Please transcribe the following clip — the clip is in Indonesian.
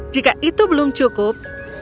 jika itu belum cukup